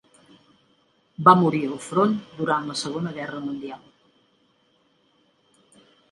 Va morir al front durant la Segona Guerra Mundial.